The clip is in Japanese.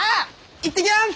行ってきます！